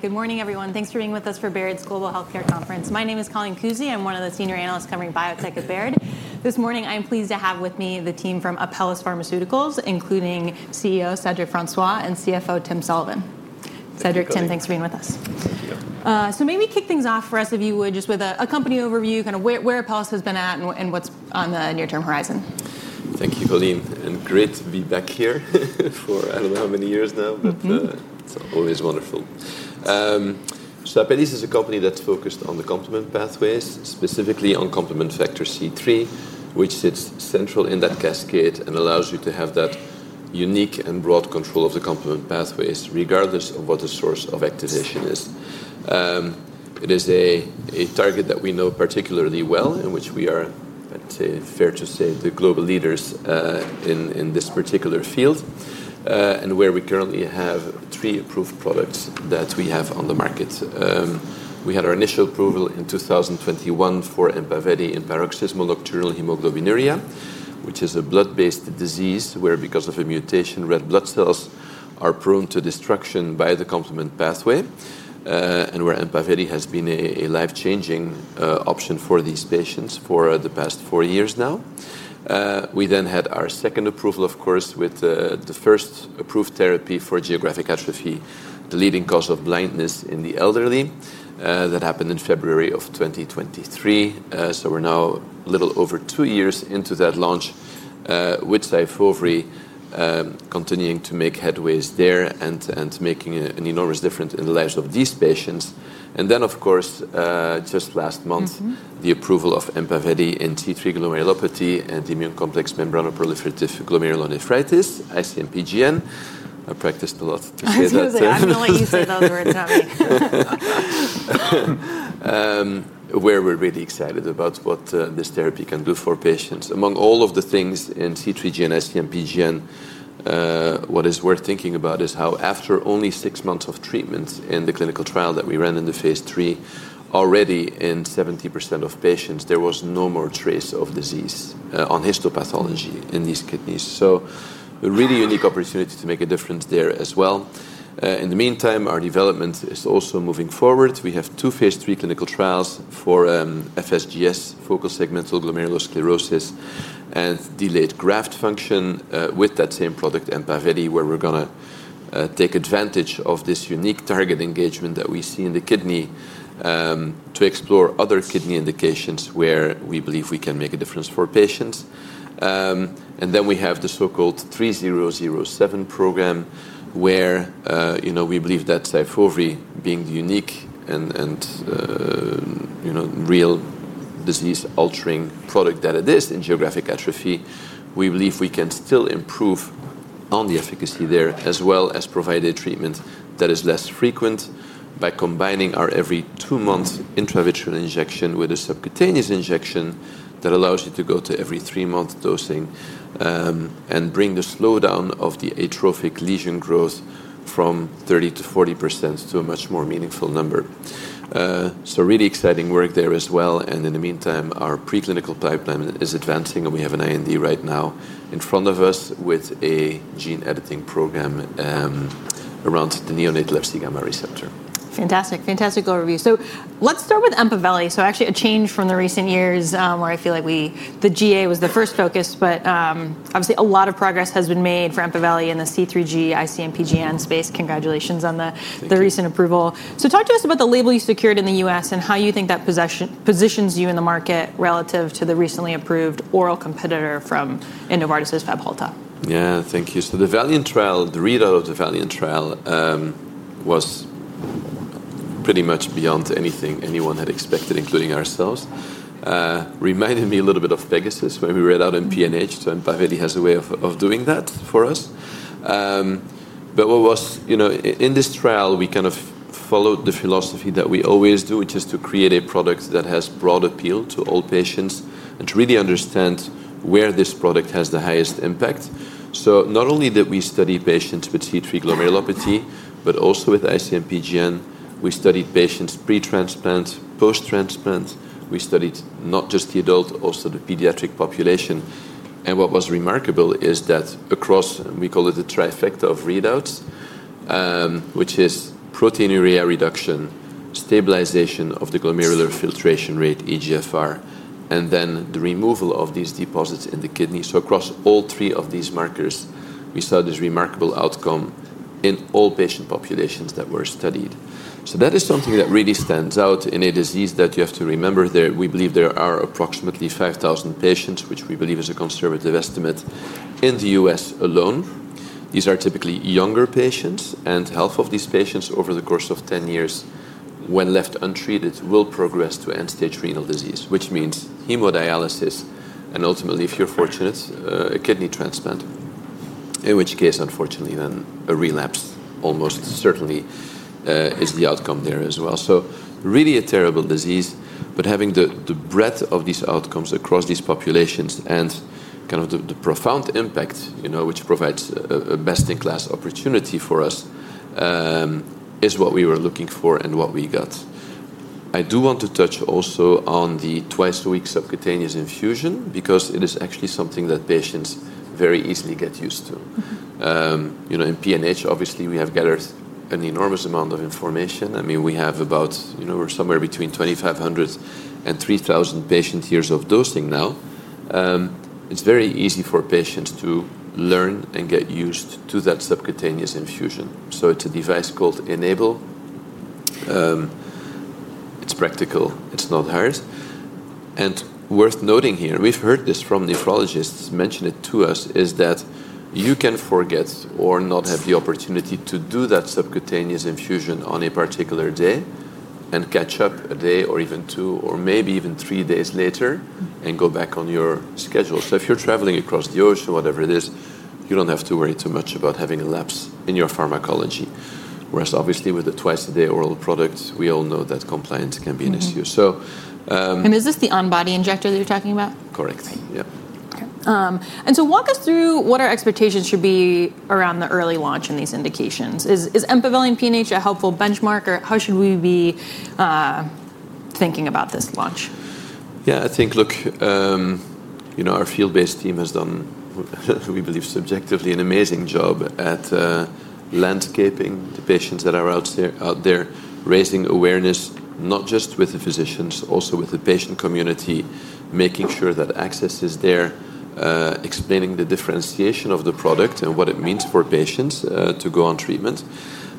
Good morning, everyone. Thanks for being with us for Baird's Global Healthcare Conference. My name is Colleen Cousy. I'm one of the Senior Analysts covering biotech at Baird. This morning, I'm pleased to have with me the team from Apellis Pharmaceuticals, including CEO Cedric Francois and CFO Tim Sullivan. Cedric, Tim, thanks for being with us. Thank you. Maybe kick things off for us, if you would, just with a company overview, kind of where Apellis Pharmaceuticals has been at and what's on the near-term horizon. Thank you, Colleen. Great to be back here for, I don't know how many years now, but it's always wonderful. Apellis Pharmaceuticals is a company that's focused on the complement pathways, specifically on complement factor C3, which sits central in that cascade and allows you to have that unique and broad control of the complement pathways regardless of what the source of activation is. It is a target that we know particularly well, in which we are, I'd say, fair to say, the global leaders in this particular field and where we currently have three approved products that we have on the market. We had our initial approval in 2021 for EMPAVELI in paroxysmal nocturnal hemoglobinuria, which is a blood-based disease where, because of a mutation, red blood cells are prone to destruction by the complement pathway and where EMPAVELI has been a life-changing option for these patients for the past four years now. We then had our second approval, of course, with the first approved therapy for geographic atrophy, the leading cause of blindness in the elderly. That happened in February of 2023. We're now a little over two years into that launch, with SYFOVRE continuing to make headways there and making an enormous difference in the lives of these patients. Of course, just last month, the approval of EMPAVELI in C3 glomerulopathy and immune complex membranoproliferative glomerulonephritis, ICMPGN. I practiced a lot to say that. I was going to say, I don't know what you said on the red tap. We're really excited about what this therapy can do for patients. Among all of the things in C3 glomerulopathy and immune complex membranoproliferative glomerulonephritis, what is worth thinking about is how, after only six months of treatments in the clinical trial that we ran in the phase three, already in 70% of patients, there was no more trace of disease on histopathology in these kidneys. This is a really unique opportunity to make a difference there as well. In the meantime, our development is also moving forward. We have two phase three clinical trials for focal segmental glomerulosclerosis and delayed graft function with that same product, EMPAVELI, where we're going to take advantage of this unique target engagement that we see in the kidney to explore other kidney indications where we believe we can make a difference for patients. We have the so-called APL-3007 program, where we believe that SYFOVRE, being the unique and real disease-altering product that it is in geographic atrophy, can still improve on the efficacy there, as well as provide a treatment that is less frequent by combining our every two-month intravitreal injection with a subcutaneous injection that allows you to go to every three-month dosing and bring the slowdown of the atrophic lesion growth from 30% to 40% to a much more meaningful number. This is really exciting work there as well. In the meantime, our preclinical pipeline is advancing, and we have an IND right now in front of us with a gene editing program around the neonatal FC gamma receptor. Fantastic, fantastic overview. Let's start with EMPAVELI. Actually, a change from the recent years where I feel like the GA was the first focus, but obviously a lot of progress has been made for EMPAVELI in the C3G ICMPGN space. Congratulations on the recent approval. Talk to us about the label you secured in the U.S. and how you think that positions you in the market relative to the recently approved oral competitor from Novartis's Fabhalta. Yeah, thank you. The Valiant trial, the read-out of the Valiant trial was pretty much beyond anything anyone had expected, including ourselves. It reminded me a little bit of Pegasus when we read out in PNH, so EMPAVELI has a way of doing that for us. In this trial, we kind of followed the philosophy that we always do, which is to create a product that has broad appeal to all patients and to really understand where this product has the highest impact. Not only did we study patients with C3 glomerulopathy, but also with ICMPGN. We studied patients pre-transplant, post-transplant. We studied not just the adult, also the pediatric population. What was remarkable is that across, we call it the trifecta of readouts, which is proteinuria reduction, stabilization of the glomerular filtration rate, eGFR, and then the removal of these deposits in the kidney. Across all three of these markers, we saw this remarkable outcome in all patient populations that were studied. That is something that really stands out in a disease that you have to remember. We believe there are approximately 5,000 patients, which we believe is a conservative estimate in the U.S. alone. These are typically younger patients, and half of these patients over the course of 10 years, when left untreated, will progress to end-stage renal disease, which means hemodialysis and ultimately, if you're fortunate, a kidney transplant, in which case, unfortunately, then a relapse almost certainly is the outcome there as well. It is really a terrible disease, but having the breadth of these outcomes across these populations and kind of the profound impact, which provides a best-in-class opportunity for us, is what we were looking for and what we got. I do want to touch also on the twice-a-week subcutaneous infusion because it is actually something that patients very easily get used to. In PNH, obviously, we have gathered an enormous amount of information. We have about, you know, we're somewhere between 2,500 and 3,000 patient years of dosing now. It's very easy for patients to learn and get used to that subcutaneous infusion. It's a device called Enable. It's practical. It's not hard. Worth noting here, we've heard this from nephrologists mention it to us, is that you can forget or not have the opportunity to do that subcutaneous infusion on a particular day and catch up a day or even two or maybe even three days later and go back on your schedule. If you're traveling across the ocean, whatever it is, you don't have to worry too much about having a lapse in your pharmacology. Obviously, with the twice-a-day oral product, we all know that compliance can be an issue. Is this the Enable on-body injector that you're talking about? Correct. Yeah. Okay. Walk us through what our expectations should be around the early launch in these indications. Is EMPAVELI in PNH a helpful benchmark? How should we be thinking about this launch? I think, look, our field-based team has done, we believe, subjectively, an amazing job at landscaping the patients that are out there, raising awareness, not just with the physicians, also with the patient community, making sure that access is there, explaining the differentiation of the product and what it means for patients to go on treatment.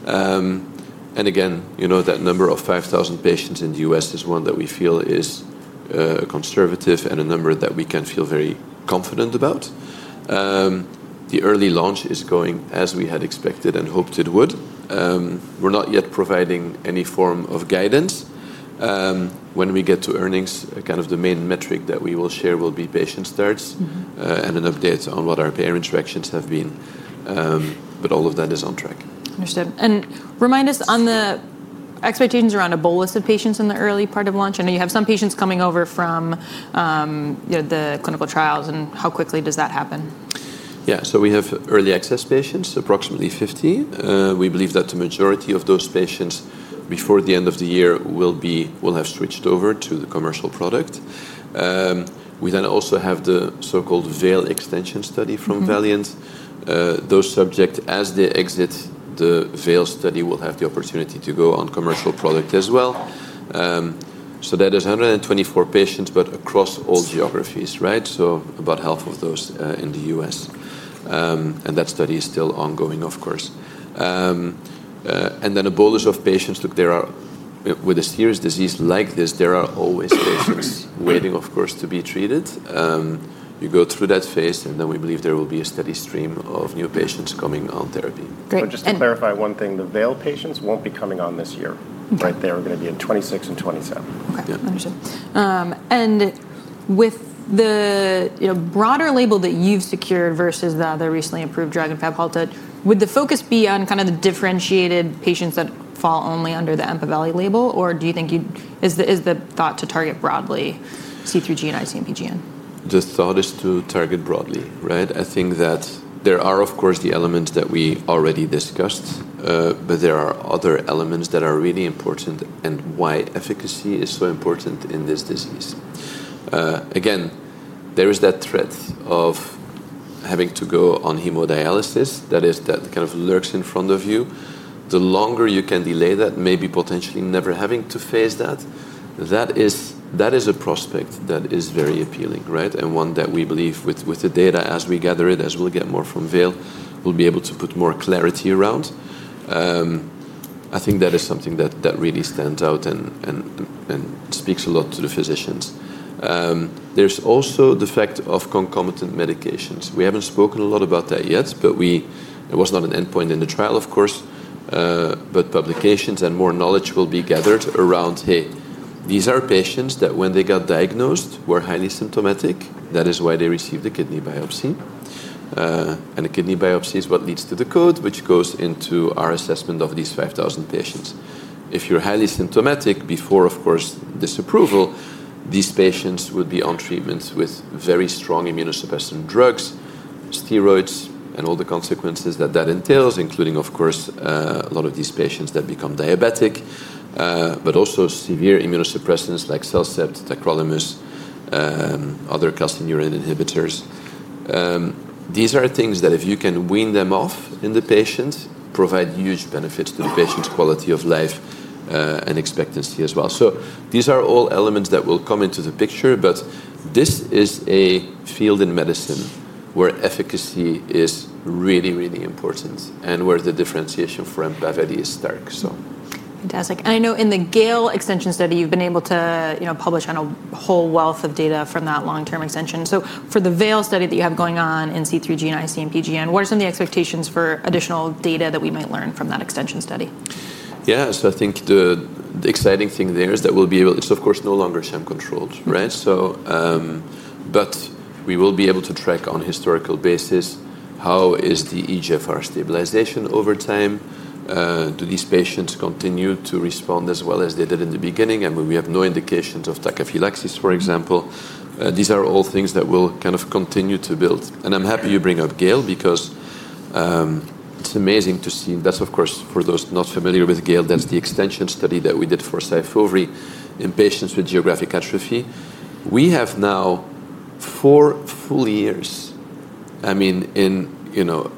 Again, that number of 5,000 patients in the U.S. is one that we feel is a conservative and a number that we can feel very confident about. The early launch is going as we had expected and hoped it would. We're not yet providing any form of guidance. When we get to earnings, kind of the main metric that we will share will be patient starts and an update on what our payer interactions have been. All of that is on track. Understood. Remind us on the expectations around a bolus of patients in the early part of launch. I know you have some patients coming over from the clinical trials, and how quickly does that happen? Yeah, so we have early access patients, approximately 50. We believe that the majority of those patients before the end of the year will have switched over to the commercial product. We also have the so-called GALE extension study from Valiant. Those subjects, as they exit the GALE study, will have the opportunity to go on commercial product as well. That is 124 patients, but across all geographies, right? About half of those in the U.S. That study is still ongoing, of course. Then a bolus of patients, look, there are, with a serious disease like this, always patients waiting, of course, to be treated. You go through that phase, and we believe there will be a steady stream of new patients coming on therapy. Let me just clarify one thing. The Vail patients won't be coming on this year, right? They're going to be in 2026 and 2027. Okay, understood. With the broader label that you've secured versus the other recently approved drug in Febhalta, would the focus be on kind of the differentiated patients that fall only under the EMPAVELI label, or do you think the thought is to target broadly C3G and ICMPGN? The thought is to target broadly, right? I think that there are, of course, the elements that we already discussed, but there are other elements that are really important and why efficacy is so important in this disease. Again, there is that threat of having to go on hemodialysis that kind of lurks in front of you. The longer you can delay that, maybe potentially never having to face that, that is a prospect that is very appealing, right? One that we believe with the data as we gather it, as we'll get more from Vail, we'll be able to put more clarity around. I think that is something that really stands out and speaks a lot to the physicians. There's also the fact of concomitant medications. We haven't spoken a lot about that yet, but it was not an endpoint in the trial, of course, but publications and more knowledge will be gathered around, hey, these are patients that when they got diagnosed were highly symptomatic. That is why they received a kidney biopsy. A kidney biopsy is what leads to the code, which goes into our assessment of these 5,000 patients. If you're highly symptomatic before, of course, this approval, these patients would be on treatments with very strong immunosuppressant drugs, steroids, and all the consequences that that entails, including, of course, a lot of these patients that become diabetic, but also severe immunosuppressants like Cellcept, tacrolimus, other calcineurin inhibitors. These are things that if you can wean them off in the patients, provide huge benefits to the patient's quality of life and expectancy as well. These are all elements that will come into the picture, but this is a field in medicine where efficacy is really, really important and where the differentiation for EMPAVELI is stark. Fantastic. I know in the GALE extension study, you've been able to publish on a whole wealth of data from that long-term extension. For the VAIL study that you have going on in C3 glomerulopathy and immune complex membranoproliferative glomerulonephritis, what are some of the expectations for additional data that we might learn from that extension study? Yeah, I think the exciting thing there is that we'll be able, it's of course no longer sham controlled, right? We will be able to track on a historical basis how is the eGFR stabilization over time. Do these patients continue to respond as well as they did in the beginning? I mean, we have no indications of tachyphylaxis, for example. These are all things that will kind of continue to build. I'm happy you bring up GALE because it's amazing to see, and that's of course for those not familiar with GALE, that's the extension study that we did for SYFOVRE in patients with geographic atrophy. We have now four full years, in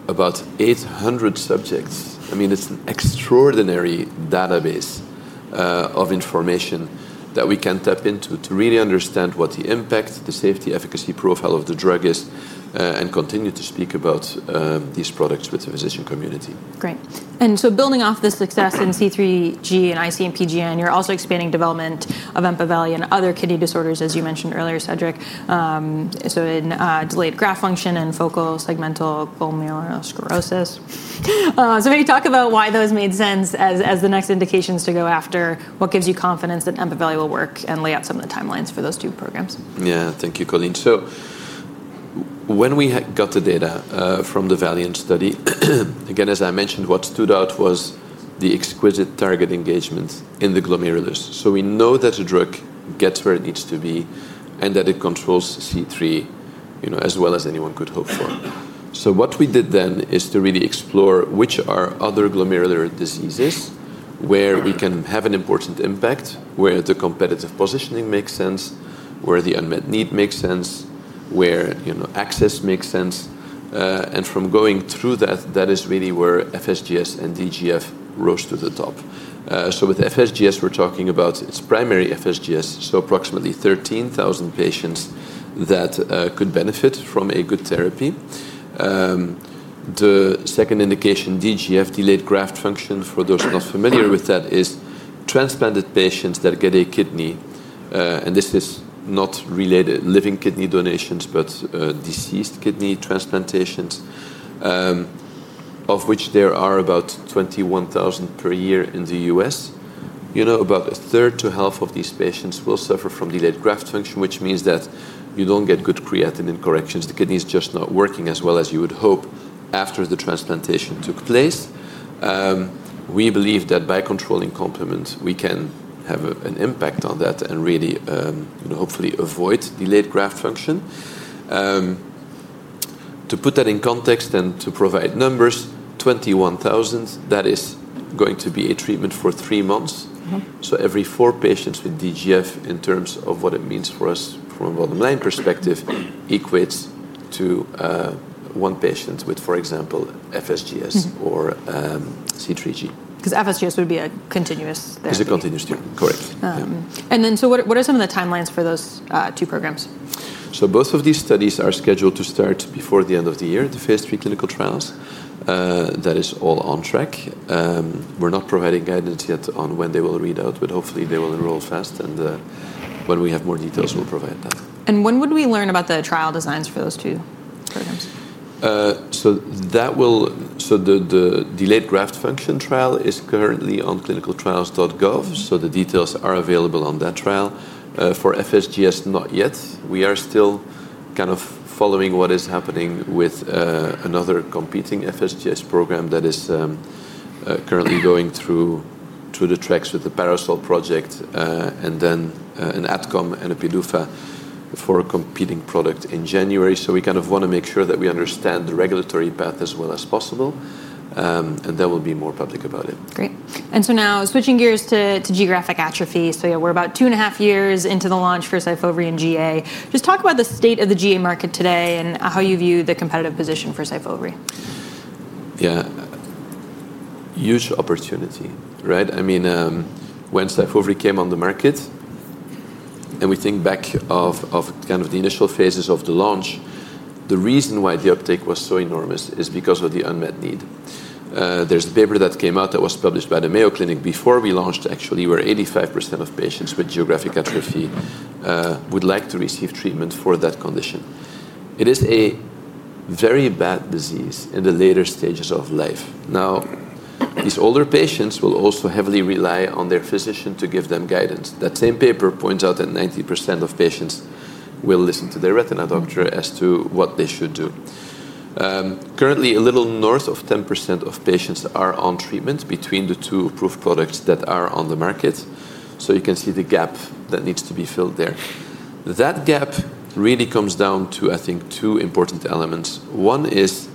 about 800 subjects. It's an extraordinary database of information that we can tap into to really understand what the impact, the safety, efficacy profile of the drug is, and continue to speak about these products with the physician community. Building off this success in C3 glomerulopathy and immune complex membranoproliferative glomerulonephritis, you're also expanding development of EMPAVELI in other kidney disorders, as you mentioned earlier, Cedric. In delayed graft function and focal segmental glomerulosclerosis, maybe talk about why those made sense as the next indications to go after, what gives you confidence that EMPAVELI will work, and lay out some of the timelines for those two programs. Yeah, thank you, Colleen. When we got the data from the Valiant study, as I mentioned, what stood out was the exquisite target engagement in the glomerulus. We know that the drug gets where it needs to be and that it controls C3, you know, as well as anyone could hope for. What we did then is to really explore which are other glomerular diseases where we can have an important impact, where the competitive positioning makes sense, where the unmet need makes sense, where, you know, access makes sense. From going through that, that is really where FSGS and DGF rose to the top. With FSGS, we're talking about its primary FSGS, so approximately 13,000 patients that could benefit from a good therapy. The second indication, DGF, delayed graft function, for those not familiar with that, is transplanted patients that get a kidney, and this is not related to living kidney donations, but deceased kidney transplantations, of which there are about 21,000 per year in the U.S. About a third to half of these patients will suffer from delayed graft function, which means that you don't get good creatinine corrections. The kidney is just not working as well as you would hope after the transplantation took place. We believe that by controlling complements, we can have an impact on that and really, you know, hopefully avoid delayed graft function. To put that in context and to provide numbers, 21,000, that is going to be a treatment for three months. Every four patients with DGF, in terms of what it means for us from a bottom line perspective, equates to one patient with, for example, FSGS or C3G. Because FSGS would be a continuous therapy. It's a continuous therapy, correct. What are some of the timelines for those two programs? Both of these studies are scheduled to start before the end of the year, the phase 3 clinical trials. That is all on track. We're not providing guidance yet on when they will read out, but hopefully they will enroll fast, and when we have more details, we'll provide that. When would we learn about the trial designs for those two programs? The delayed graft function trial is currently on clinicaltrials.gov, so the details are available on that trial. For FSGS, not yet. We are still kind of following what is happening with another competing FSGS program that is currently going through the tracks with the Paracel project and then an ATCOM and a PDUFA for a competing product in January. We kind of want to make sure that we understand the regulatory path as well as possible, and there will be more public about it. Great. Now switching gears to geographic atrophy. We're about two and a half years into the launch for SYFOVRE in GA. Just talk about the state of the GA market today and how you view the competitive position for SYFOVRE. Yeah, huge opportunity, right? I mean, when SYFOVRE came on the market, and we think back of kind of the initial phases of the launch, the reason why the uptake was so enormous is because of the unmet need. There's a paper that came out that was published by the Mayo Clinic before we launched, actually, where 85% of patients with geographic atrophy would like to receive treatment for that condition. It is a very bad disease in the later stages of life. Now, these older patients will also heavily rely on their physician to give them guidance. That same paper points out that 90% of patients will listen to their retina doctor as to what they should do. Currently, a little north of 10% of patients are on treatments between the two approved products that are on the market. You can see the gap that needs to be filled there. That gap really comes down to, I think, two important elements. One is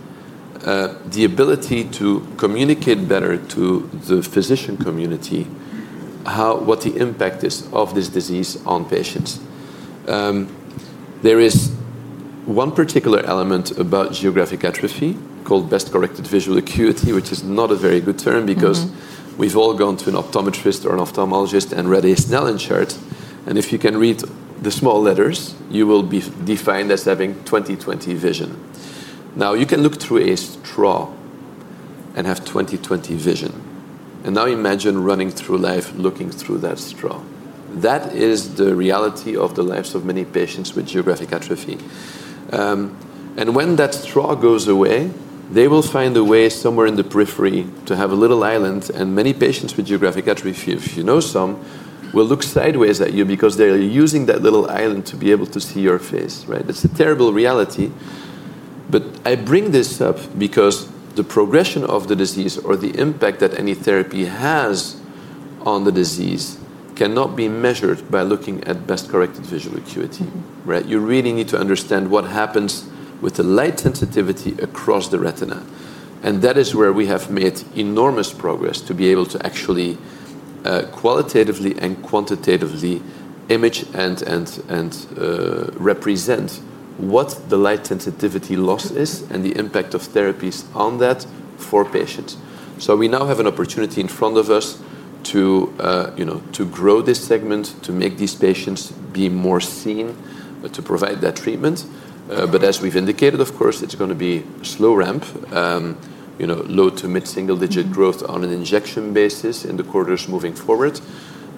the ability to communicate better to the physician community what the impact is of this disease on patients. There is one particular element about geographic atrophy called best-corrected visual acuity, which is not a very good term because we've all gone to an optometrist or an ophthalmologist and read a Snellen chart. If you can read the small letters, you will be defined as having 20/20 vision. You can look through a straw and have 20/20 vision. Now imagine running through life looking through that straw. That is the reality of the lives of many patients with geographic atrophy. When that straw goes away, they will find a way somewhere in the periphery to have a little island. Many patients with geographic atrophy, if you know some, will look sideways at you because they're using that little island to be able to see your face, right? It's a terrible reality. I bring this up because the progression of the disease or the impact that any therapy has on the disease cannot be measured by looking at best-corrected visual acuity, right? You really need to understand what happens with the light sensitivity across the retina. That is where we have made enormous progress to be able to actually qualitatively and quantitatively image and represent what the light sensitivity loss is and the impact of therapies on that for patients. We now have an opportunity in front of us to grow this segment, to make these patients be more seen, to provide that treatment. As we've indicated, of course, it's going to be a slow ramp, you know, low to mid-single-digit growth on an injection basis in the quarters moving forward.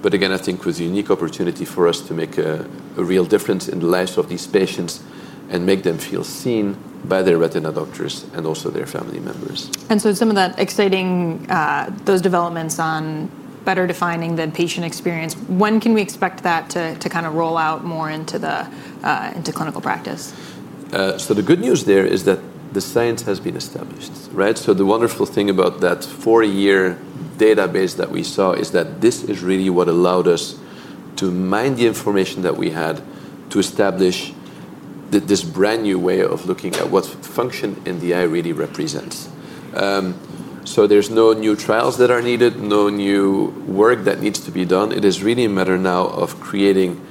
Again, I think with the unique opportunity for us to make a real difference in the lives of these patients and make them feel seen by their retina doctors and also their family members. Some of that exciting, those developments on better defining the patient experience, when can we expect that to kind of roll out more into clinical practice? The good news there is that the science has been established, right? The wonderful thing about that four-year database that we saw is that this is really what allowed us to mine the information that we had to establish this brand new way of looking at what function NDI really represents. There are no new trials that are needed, no new work that needs to be done. It is really a matter now of creating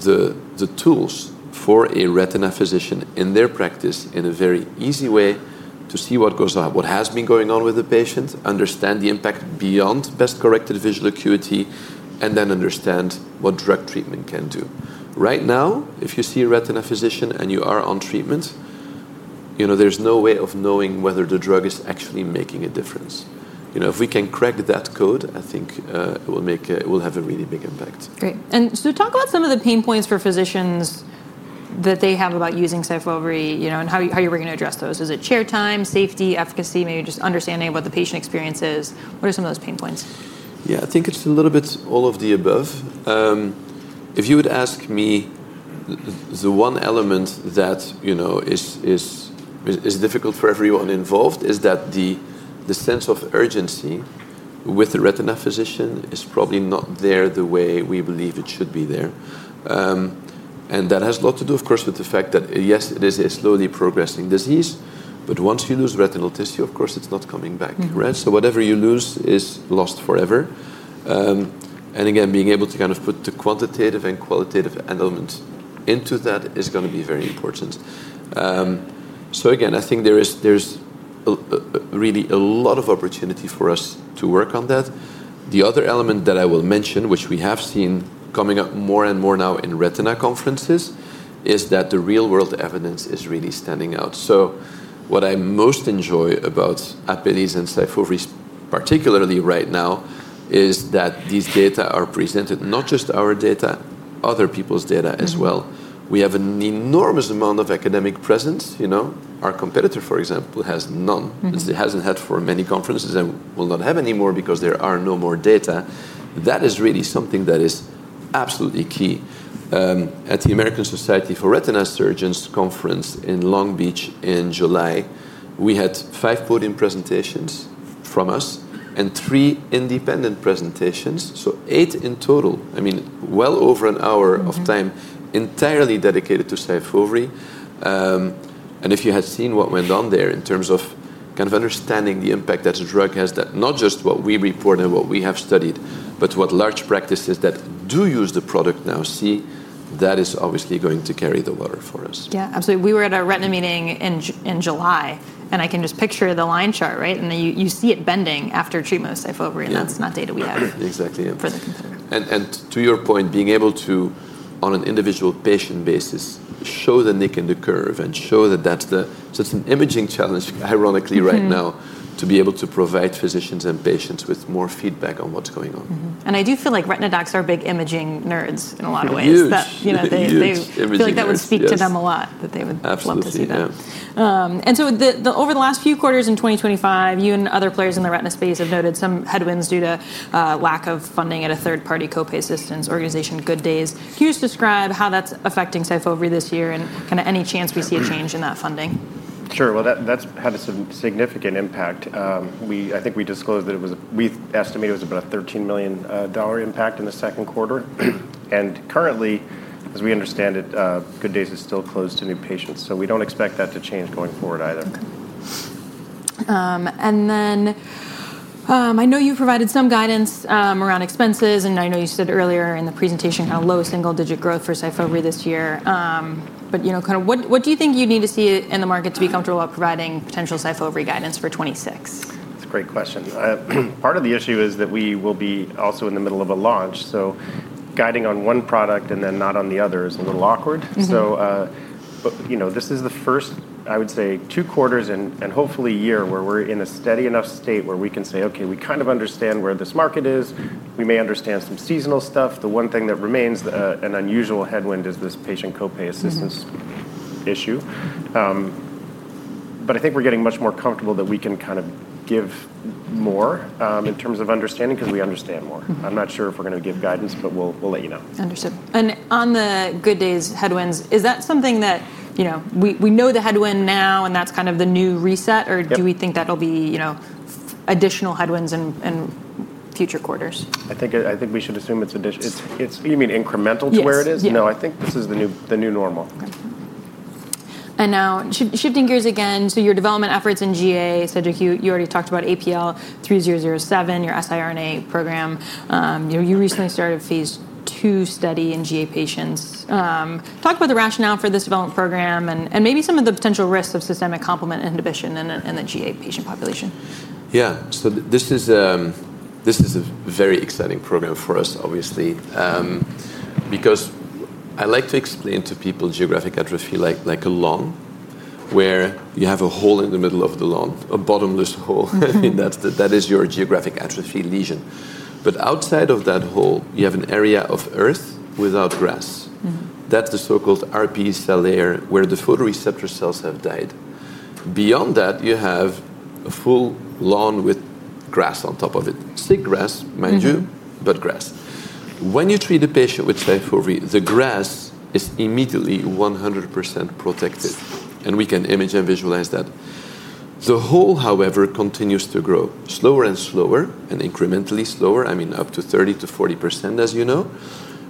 the tools for a retina physician in their practice in a very easy way to see what goes on, what has been going on with the patient, understand the impact beyond best-corrected visual acuity, and then understand what drug treatment can do. Right now, if you see a retina physician and you are on treatment, you know, there's no way of knowing whether the drug is actually making a difference. If we can crack that code, I think it will have a really big impact. Great. Talk about some of the pain points for physicians that they have about using SYFOVRE, you know, and how you're going to address those. Is it chair time, safety, efficacy, maybe just understanding of what the patient experience is? What are some of those pain points? Yeah, I think it's a little bit all of the above. If you would ask me, the one element that is difficult for everyone involved is that the sense of urgency with the retina physician is probably not there the way we believe it should be there. That has a lot to do, of course, with the fact that, yes, it is a slowly progressing disease, but once you lose retinal tissue, it's not coming back, right? Whatever you lose is lost forever. Being able to kind of put the quantitative and qualitative element into that is going to be very important. I think there is really a lot of opportunity for us to work on that. The other element that I will mention, which we have seen coming up more and more now in retina conferences, is that the real-world evidence is really standing out. What I most enjoy about Apellis and SYFOVRE, particularly right now, is that these data are presented not just our data, other people's data as well. We have an enormous amount of academic presence. Our competitor, for example, has none. It hasn't had for many conferences and will not have any more because there are no more data. That is really something that is absolutely key. At the American Society for Retina Surgeons conference in Long Beach in July, we had five podium presentations from us and three independent presentations, so eight in total. I mean, well over an hour of time entirely dedicated to SYFOVRE. If you had seen what went on there in terms of kind of understanding the impact that the drug has, that not just what we report and what we have studied, but what large practices that do use the product now see, that is obviously going to carry the water for us. Yeah, absolutely. We were at a retina meeting in July, and I can just picture the line chart, right? You see it bending after treatment with SYFOVRE, and that's not data we had. Exactly. For the consumer. To your point, being able to, on an individual patient basis, show the nick and the curve and show that that's the, so it's an imaging challenge, ironically, right now to be able to provide physicians and patients with more feedback on what's going on. I feel like retina docs are big imaging nerds in a lot of ways. They really are. I feel like that would speak to them a lot, that they would love to see that. Over the last few quarters in 2025, you and other players in the retina space have noted some headwinds due to lack of funding at a third-party co-pay assistance organization, Good Days. Can you just describe how that's affecting SYFOVRE this year and kind of any chance we see a change in that funding? Sure. That's had some significant impact. I think we disclosed that it was, we estimate it was about a $13 million impact in the second quarter. Currently, as we understand it, Good Days is still closed to new patients. We don't expect that to change going forward either. Okay. I know you provided some guidance around expenses, and I know you said earlier in the presentation how low single-digit growth for SYFOVRE this year. What do you think you'd need to see in the market to be comfortable about providing potential SYFOVRE guidance for 2026? That's a great question. Part of the issue is that we will be also in the middle of a launch. Guiding on one product and then not on the other is a little awkward. This is the first, I would say, two quarters and hopefully a year where we're in a steady enough state where we can say, okay, we kind of understand where this market is. We may understand some seasonal stuff. The one thing that remains an unusual headwind is this patient co-pay assistance issue. I think we're getting much more comfortable that we can kind of give more in terms of understanding because we understand more. I'm not sure if we're going to give guidance, but we'll let you know. Understood. On the Good Days headwinds, is that something that, you know, we know the headwind now and that's kind of the new reset, or do we think that'll be, you know, additional headwinds in future quarters? I think we should assume it's additional. You mean incremental to where it is? No, I think this is the new normal. Okay. Now shifting gears again to your development efforts in GA. Cedric, you already talked about APL-3007, your siRNA program. You know, you recently started phase 2 study in GA patients. Talk about the rationale for this development program and maybe some of the potential risks of systemic complement inhibition in the GA patient population. Yeah, so this is a very exciting program for us, obviously, because I like to explain to people geographic atrophy like a lawn where you have a hole in the middle of the lawn, a bottomless hole. I mean, that is your geographic atrophy lesion. Outside of that hole, you have an area of earth without grass. That's the so-called RP cell layer where the photoreceptor cells have died. Beyond that, you have a full lawn with grass on top of it. Sick grass, mind you, but grass. When you treat a patient with SYFOVRE, the grass is immediately 100% protective, and we can image and visualize that. The hole, however, continues to grow slower and slower and incrementally slower, up to 30 to 40%, as you know.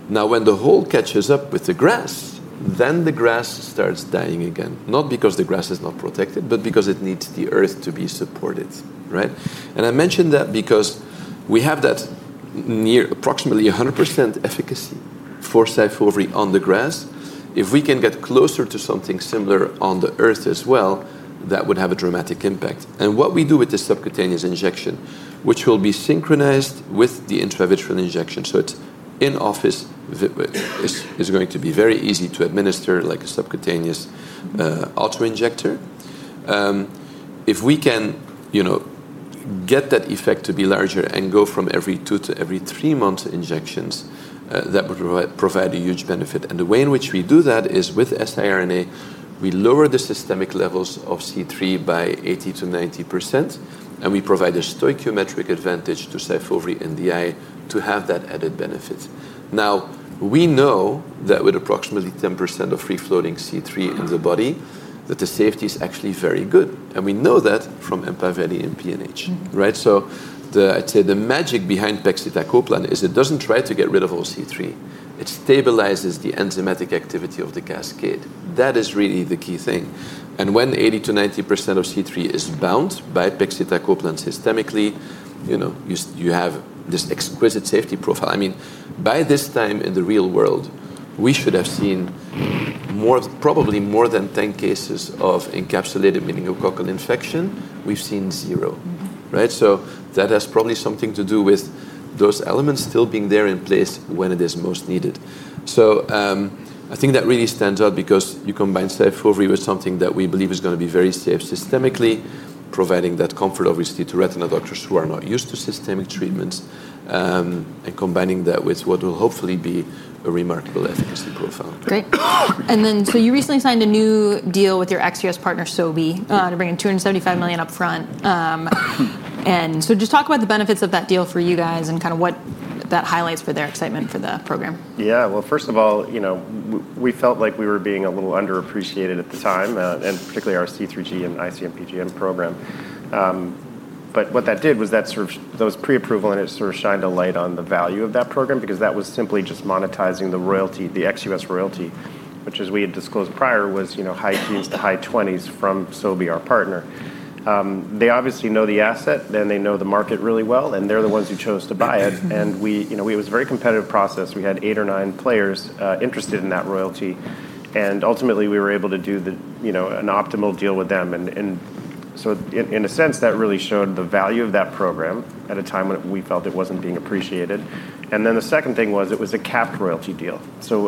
Now, when the hole catches up with the grass, then the grass starts dying again, not because the grass is not protected, but because it needs the earth to be supported, right? I mention that because we have that near approximately 100% efficacy for SYFOVRE on the grass. If we can get closer to something similar on the earth as well, that would have a dramatic impact. What we do with this subcutaneous injection, which will be synchronized with the intravitreal injection, so it's in-office, it's going to be very easy to administer like a subcutaneous autoinjector. If we can get that effect to be larger and go from every two to every three months injections, that would provide a huge benefit. The way in which we do that is with siRNA, we lower the systemic levels of C3 by 80 to 90%, and we provide a stoichiometric advantage to SYFOVRE NDI to have that added benefit. We know that with approximately 10% of free floating C3 in the body, the safety is actually very good. We know that from EMPAVELI and PNH, right? I'd say the magic behind pegcetacoplan is it doesn't try to get rid of all C3. It stabilizes the enzymatic activity of the cascade. That is really the key thing. When 80 to 90% of C3 is bound by pegcetacoplan systemically, you have this exquisite safety profile. By this time in the real world, we should have seen probably more than 10 cases of encapsulated meningococcal infection. We've seen zero, right? That has probably something to do with those elements still being there in place when it is most needed. I think that really stands out because you combine SYFOVRE with something that we believe is going to be very safe systemically, providing that comfort, obviously, to retina doctors who are not used to systemic treatments and combining that with what will hopefully be a remarkable efficacy profile. Okay. You recently signed a new deal with your ex-U.S. partner, Sobi, to bring in $275 million upfront. Just talk about the benefits of that deal for you guys and what that highlights for their excitement for the program. First of all, you know, we felt like we were being a little underappreciated at the time, and particularly our C3G and ICMPGN program. What that did was that sort of those pre-approval, and it sort of shined a light on the value of that program because that was simply just monetizing the royalty, the ex-U.S. royalty, which, as we had disclosed prior, was high teens to high twenties from Sobi, our partner. They obviously know the asset, they know the market really well, and they're the ones who chose to buy it. It was a very competitive process. We had eight or nine players interested in that royalty. Ultimately, we were able to do an optimal deal with them. In a sense, that really showed the value of that program at a time when we felt it wasn't being appreciated. The second thing was it was a capped royalty deal.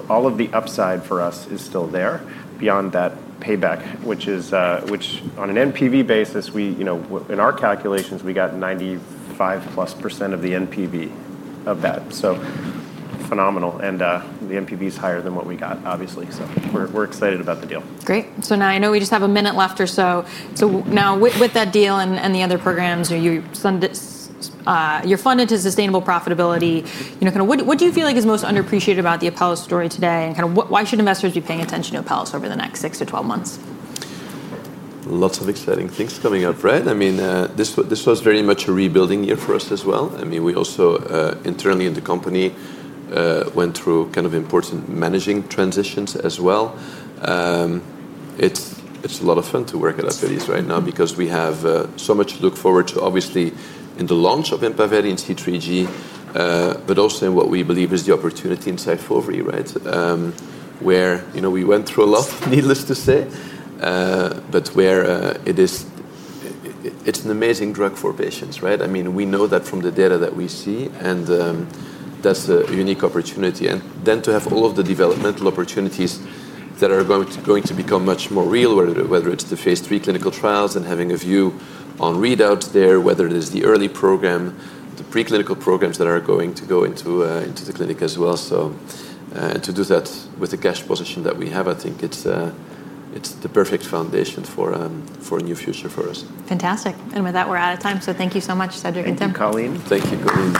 All of the upside for us is still there beyond that payback, which is, which on an NPV basis, we, in our calculations, we got 95+% of the NPV of that. Phenomenal. The NPV is higher than what we got, obviously. We're excited about the deal. Great. Now I know we just have a minute left or so. With that deal and the other programs, you're funded to sustainable profitability. What do you feel like is most underappreciated about the Apellis story today, and why should investors be paying attention to Apellis over the next six to 12 months? Lots of exciting things coming up, right? I mean, this was very much a rebuilding year for us as well. I mean, we also internally in the company went through kind of important managing transitions as well. It's a lot of fun to work at Apellis Pharmaceuticals right now because we have so much to look forward to, obviously, in the launch of EMPAVELI and C3G, but also in what we believe is the opportunity in SYFOVRE, right? Where, you know, we went through a lot of, needless to say, but where it is, it's an amazing drug for patients, right? I mean, we know that from the data that we see, and that's a unique opportunity. Then to have all of the developmental opportunities that are going to become much more real, whether it's the phase 3 clinical trials and having a view on readouts there, whether it is the early program, the preclinical programs that are going to go into the clinic as well. To do that with the cash position that we have, I think it's the perfect foundation for a new future for us. Fantastic. With that, we're out of time. Thank you so much, Cedric and Tim. Colleen, thank you, Colleen.